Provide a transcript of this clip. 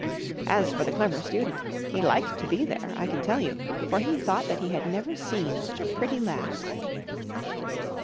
As for the Clever Student, he liked to be there, I can tell you, for he thought that he had never seen such a pretty lass.